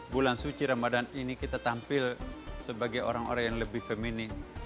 bulan suci ramadan ini kita tampil sebagai orang orang yang lebih feminin